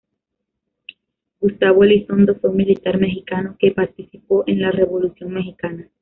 Gustavo Elizondo fue un militar mexicano que participó en la Revolución mexicana.